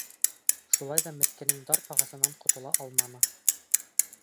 Шулай ҙа меҫкенең дар ағасынан ҡотола алманы.